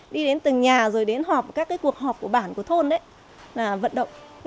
đi đến từng nhà rồi đến các cuộc họp của bản của thôn là vận động